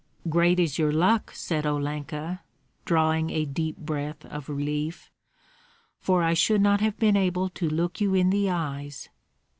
'" "Great is your luck," said Olenka, drawing a deep breath of relief, "for I should not have been able to look you in the eyes."